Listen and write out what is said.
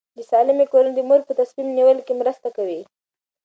د سالمې کورنۍ د مور په تصمیم نیول کې مرسته کوي.